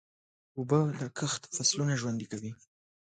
اوبه د کښت فصلونه ژوندي کوي.